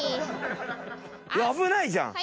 危ないじゃん。